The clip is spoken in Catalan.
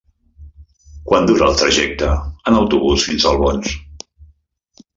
Quant dura el trajecte en autobús fins a Albons?